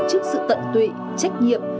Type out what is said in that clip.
trước sự tận tụy trách nhiệm